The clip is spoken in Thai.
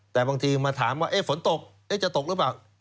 แต่บางทีมาถามว่าฝนตกจะตกหรือเปล่า